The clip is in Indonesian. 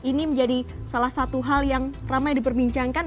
ini menjadi salah satu hal yang ramai diperbincangkan